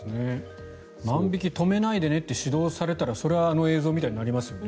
万引き止めないでねって指導されたらそれはあの映像みたいになりますよね。